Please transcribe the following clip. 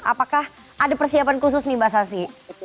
apakah ada persiapan khusus nih mbak sasi